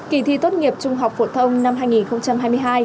kỳ thi tốt nghiệp trung học phổ thông năm hai nghìn hai mươi hai